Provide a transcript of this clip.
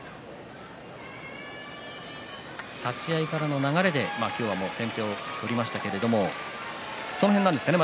立ち合いからの流れで今日は先手を取りましたがその辺なんですかね